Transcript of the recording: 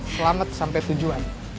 selamat sampai tujuan